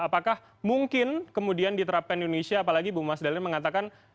apakah mungkin kemudian diterapkan indonesia apalagi ibu mas dalina mengatakan